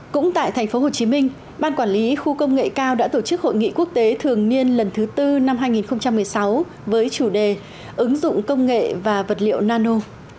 cũng tại tp hcm ban quản lý khu công nghệ cao đã tổ chức hội nghị quốc tế thường niên lần thứ tư năm hai nghìn một mươi sáu với chủ đề ứng dụng công nghệ và vật liệu nano